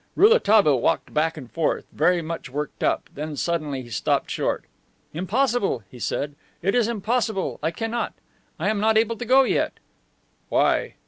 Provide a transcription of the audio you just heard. Rouletabille walked back and forth, very much worked up; then suddenly he stopped short. "Impossible," he said. "It is impossible. I cannot; I am not able to go yet." "Why?"